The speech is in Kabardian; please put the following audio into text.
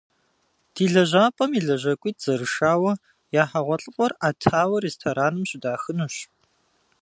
Ди лэжьапӏэм и лэжьакӏуитӏ зэрышауэ, я хьэгъуэлӏыгъуэр ӏэтауэ рестораным щыдахынущ.